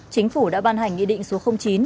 chính phủ đã ban hành nghị định số chín